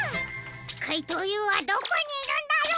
かいとうＵはどこにいるんだろう？